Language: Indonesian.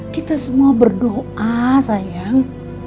kita semua berdoa sayang